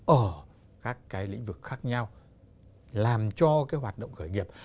ở các cái lĩnh vực khác nhau làm cho cái hoạt động khởi nghiệp